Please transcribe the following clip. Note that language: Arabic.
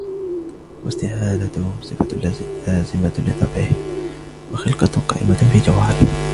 وَاسْتِعَانَتُهُ صِفَةٌ لَازِمَةٌ لِطَبْعِهِ ، وَخِلْقَةٌ قَائِمَةٌ فِي جَوْهَرِهِ